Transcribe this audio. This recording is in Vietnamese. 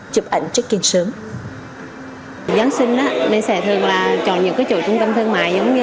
chụp ảnh check in sớm